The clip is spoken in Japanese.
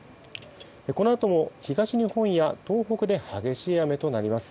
このあとも東日本や東北で激しい雨となります。